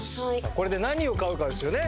これで何を買うかですよね。